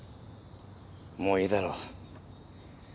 もういいだろう。